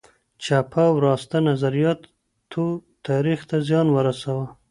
چپه او راسته نظریاتو تاریخ ته زیان ورساوه.